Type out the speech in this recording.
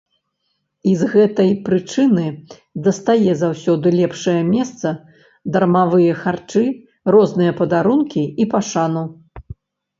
І з гэтай прычыны дастае заўсёды лепшае месца, дармовыя харчы, розныя падарункі і пашану.